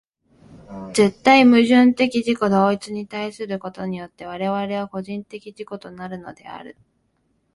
絶対矛盾的自己同一に対することによって我々は個人的自己となるのである。